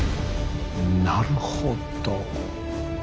なるほど。